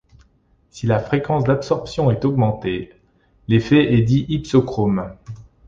Si la fréquence d'absorption est augmentée, l'effet est dit hypsochrome.